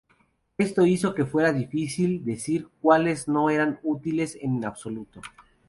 Esto hizo que fuera difícil decir cuáles no eran útiles en absoluto.